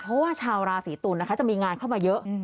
เพราะว่าชาวราศีตุลนะคะจะมีงานเข้ามาเยอะ